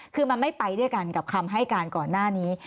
คือมันไม่ไปด้วยกันกับคำให้การก่อนหน้านี้